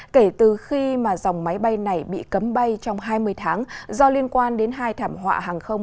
kể từ khi mà dòng máy bay này bị cấm bay trong hai mươi tháng do liên quan đến hai thảm họa hàng không